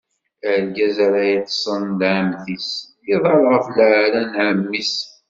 Argaz ara yeṭṭṣen d ɛemmti-s, iḍall ɣef leɛra n ɛemmi-s.